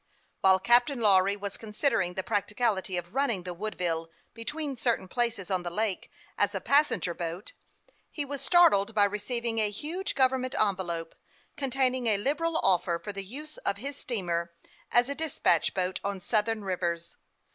While Captain Lawry was considering the practi cability of running the Woodville between certain places on the lake as a passenger boat, he was 308 HASTE AND WASTE, OR startled by receiving a huge government envelope, containing a liberal offer for the use of his steamer as a despatch boat on southern rivers.